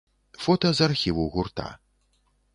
Фота з архіву гурта.